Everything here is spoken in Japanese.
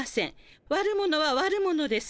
悪者は悪者です。